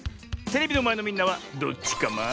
テレビのまえのみんなはどっちカマ？